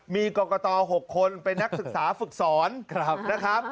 มีกรกต๖คนเป็นนักศึกษาฝึกสอนนะครับ